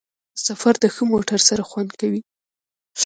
سفر د ښه موټر سره خوند کوي.